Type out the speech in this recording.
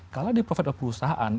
kalau di profit oleh perusahaan